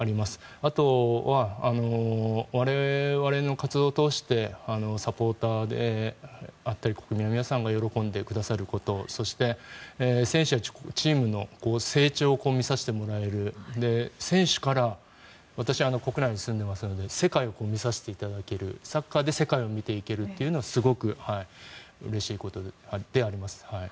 あとは我々の活動を通してサポーターであったり国民の皆さんが喜んでくださることそして選手たちチームの成長を見させてもらえる選手から私、国内に住んでいますので世界を見させていただけるサッカーで世界を見ていけるというのはすごくうれしいことではあります。